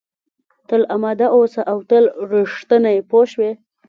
تل اماده اوسه او تل رښتینی پوه شوې!.